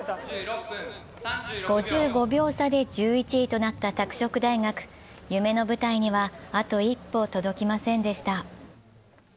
５５秒差で１１位となった拓殖大学、夢の舞台にはあと一歩届きませんでした。